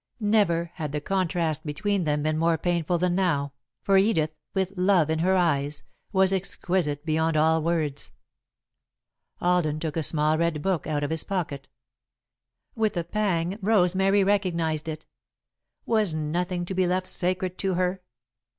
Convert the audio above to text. Never had the contrast between them been more painful than now, for Edith, with love in her eyes, was exquisite beyond all words. [Sidenote: The Red Book Again] Alden took a small red book out of his pocket. With a pang, Rosemary recognised it. Was nothing to be left sacred to her?